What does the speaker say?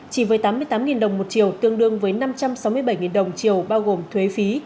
chỉ với tám mươi tám đồng một triệu tương đương với năm trăm sáu mươi bảy đồng chiều bao gồm thuế phí